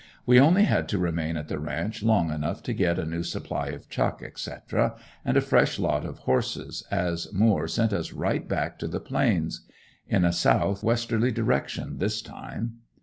We only got to remain at the ranch long enough to get a new supply of chuck, etc., and a fresh lot of horses, as Moore sent us right back to the Plains. In a south westerly direction this time.